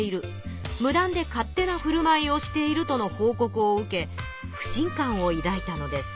無断で勝手なふるまいをしているとの報告を受け不信感をいだいたのです。